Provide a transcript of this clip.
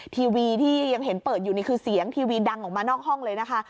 ทีวีที่ยังเห็นเปิดอยู่นี่คือเสียงทีวีดังออกมานอกห้องเลยนะคะ